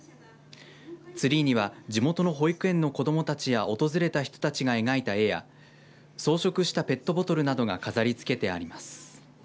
ツリーには地元の保育園の子どもたちや訪れた人たちが描いた絵や装飾したペットボトルなどが飾り付けてあります。